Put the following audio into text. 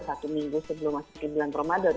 satu minggu sebelum masuk ke bulan ramadan